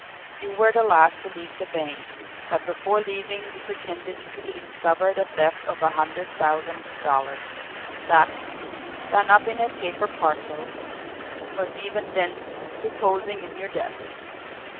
You were the last to leave the bank, but before leaving you pretended to discover the theft of a hundred thousand dollars that, done up in a paper parcel, was even then reposing in your desk.